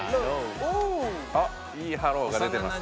あっいいハローが出てます。